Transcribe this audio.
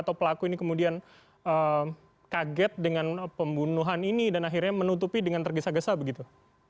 atau pelaku ini kemudian kaget dengan pembunuhan ini dan akhirnya menutupi dengan tergesa gesa begitu